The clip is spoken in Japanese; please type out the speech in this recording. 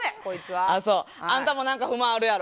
あんたも何か不満あるやろ。